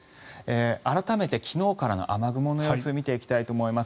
改めて昨日からの雨雲の様子見ていきたいと思います。